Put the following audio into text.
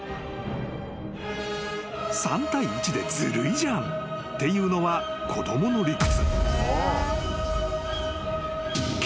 ［３対１でずるいじゃんっていうのは子供の理屈］